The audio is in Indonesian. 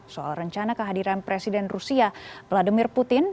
soal rencana kehadiran presiden rusia vladimir putin